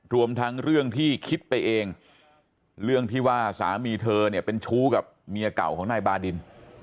รวมทั้งเรื่องที่คิดไปเองเรื่องที่ว่าสามีเธอเนี่ยเป็นชู้กับเมียเก่าของนายบาดิน